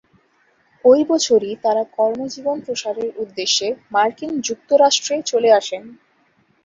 ঐ বছরই তারা কর্মজীবন প্রসারের উদ্দেশ্যে মার্কিন যুক্তরাষ্ট্রে চলে আসেন।